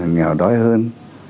nhàu đói hơn